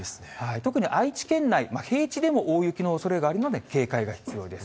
特に愛知県内、平地でも大雪のおそれがあるので、警戒が必要です。